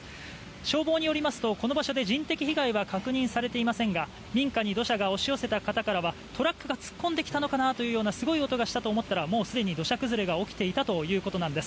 消防によりますとこの場所で人的被害は確認されていませんが民家に土砂が押し寄せた方からはトラックが突っ込んできたのかなというようなすごい音がしたと思ったらもうすでに土砂崩れが起きていたということなんです。